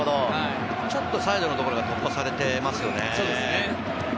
ちょっとサイドの所が突破されていますよね。